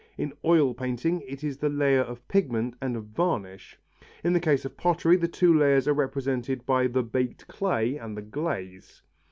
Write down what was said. In oil painting it is the layer of pigment and of varnish, in the case of pottery the two layers are represented by the baked clay and the glaze.